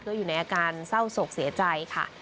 ก็อยู่ในอาการเศร้าศกเสียใจค่ะ